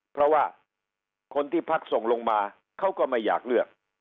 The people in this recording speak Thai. เพราะว่าคนที่พักส่งลงมาเขาก็ไม่อยากเลือก